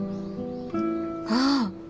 ああ。